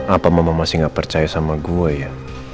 apa mama masih gak percaya sama gue ya